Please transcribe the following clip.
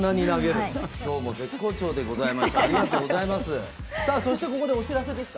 今日も絶好調でございました。